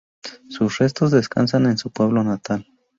Sus restos descansan en su pueblo natal.